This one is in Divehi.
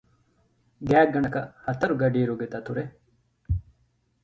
ގާތްގަނޑަކަށް ހަތަރު ގަޑިއިރުގެ ދަތުރެއް